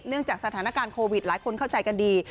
จากสถานการณ์โควิดหลายคนเข้าใจกันดี